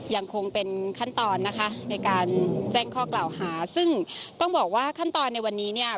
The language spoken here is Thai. ยังคงเป็นขั้นตอนนะคะในการแจ้งข้อกล่าวหาซึ่งต้องบอกว่าขั้นตอนในวันนี้เนี่ย